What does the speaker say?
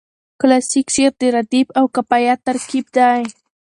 کلاسیک شعر د ردیف او قافیه ترکیب لري.